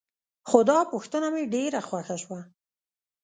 خو دا پوښتنه مې ډېره خوښه شوه.